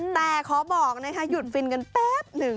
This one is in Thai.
แต่ขอบอกนะคะหยุดฟินกันแป๊บหนึ่ง